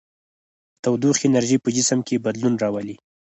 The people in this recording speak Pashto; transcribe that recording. د تودوخې انرژي په جسم کې بدلون راولي.